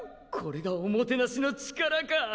これがおもてナシの力か！